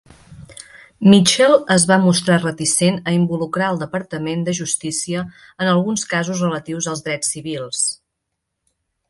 Mitchell es va mostrar reticent a involucrar al Departament de justícia en alguns casos relatius als drets civils.